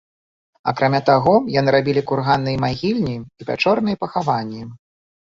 Акрамя таго яны рабілі курганныя магільні і пячорныя пахаванні.